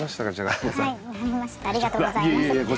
ありがとうございます。